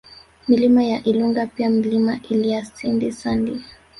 Milima ya Ilunga pia Mlima Ilyandi Sandi